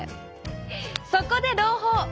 そこで朗報！